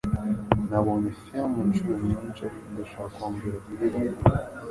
Nabonye film inshuro nyinshi, ariko ndashaka kongera kuyibona.